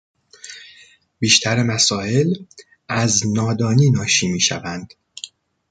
بیشتر مسایل، از نادانی ناشی میشوند.